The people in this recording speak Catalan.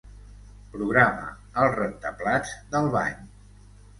Programa el rentaplats del bany.